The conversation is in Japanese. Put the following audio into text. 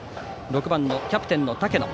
６番、キャプテンの竹野。